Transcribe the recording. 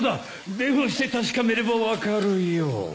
電話して確かめれば分かるよ。